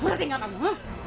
menertengah kamu he